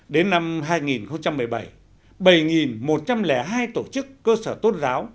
đến năm hai nghìn một mươi bảy bảy một trăm linh hai tổ chức cơ sở tôn giáo